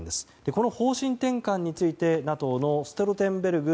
この方針転換についてＮＡＴＯのストルテンベルグ